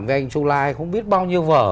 với anh chu lai không biết bao nhiêu vở